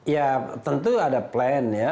ya tentu ada plan ya